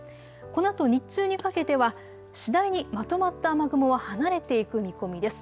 このあと日中にかけては次第にまとまった雨雲は離れていく見込みです。